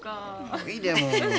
ほいでも。